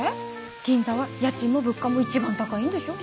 銀座は家賃も物価も一番高いんでしょ？